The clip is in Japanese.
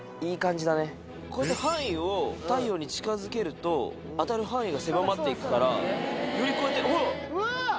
こうやって範囲を太陽に近づけると当たる範囲が狭まっていくからよりこうやってほら！